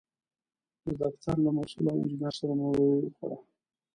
د دفتر له مسوول او انجینر سره مو ډوډۍ وخوړه.